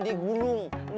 kalau lo kagak baik